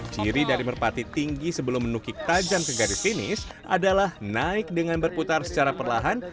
ciri dari merpati tinggi sebelum menukik tajam ke garis finish adalah naik dengan berputar secara perlahan